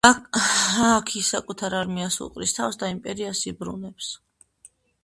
აქ ის საკუთარ არმიას უყრის თავს და იმპერიას იბრუნებს.